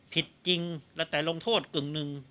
ผิดจริงแล้วแต่ลงโทษกึ่งหนึ่ง